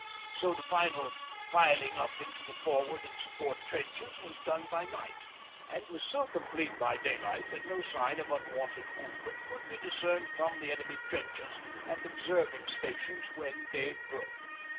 So the final filing up into the forward and support trenches was done by night, and was so complete by daylight that no sign of unwonted movement could be discerned from the enemy trenches and observing stations when day broke.